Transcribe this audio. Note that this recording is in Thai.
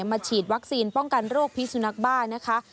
มาฉีดวัคซีนป้องกันโรคพิสุนักบ้านะคะ